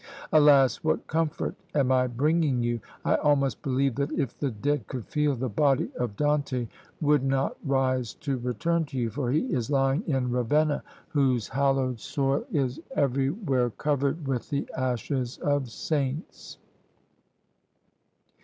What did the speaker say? Alas! what comfort am I bringing you! I almost believe, that if the dead could feel, the body of Dante would not rise to return to you, for he is lying in Ravenna, whose hallowed soil is everywhere covered with the ashes of saints.